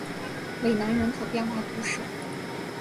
韦南人口变化图示